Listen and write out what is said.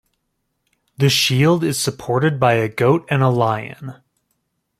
The shield is supported by a goat and a lion.